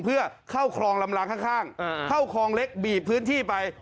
เพื่อเข้าคลองลำลางข้างเข้าคลองเล็กบีบพื้นที่ไป